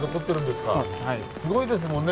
すごいですもんね